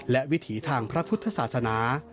และวิถีทางพระพุทธศาสนา